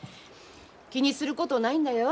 気にすることないんだよ。